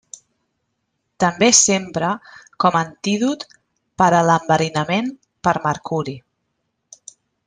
També s'empra com antídot per a l'enverinament per mercuri.